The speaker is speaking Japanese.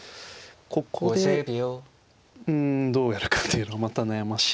ここでうんどうやるかというのはまた悩ましい。